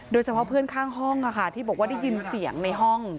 โดยเฉพาะเพื่อนข้างห้องที่บอกว่าได้ยินเสียงในห้อง